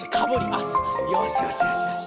あっよしよしよしよし。